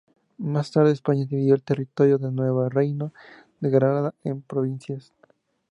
Más tarde España dividió el territorio del Nuevo Reino de Granada en provincias.